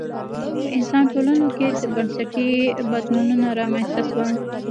په انسان ټولنو کې بنسټي بدلونونه رامنځته شول